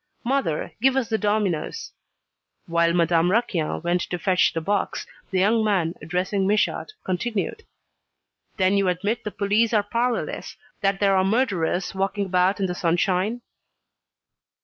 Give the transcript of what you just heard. "Mother, give us the dominoes." While Madame Raquin went to fetch the box, the young man, addressing Michaud, continued: "Then you admit the police are powerless, that there are murderers walking about in the sunshine?"